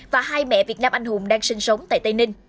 và hai mẹ việt nam anh hùng đang sinh sống tại tây ninh